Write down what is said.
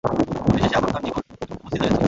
পরিশেষে আপনকার নিকট উপস্থিত হইয়াছি।